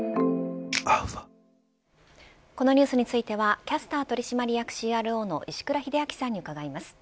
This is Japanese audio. このニュースについてはキャスター取締役ＣＲＯの石倉秀明さんに伺います。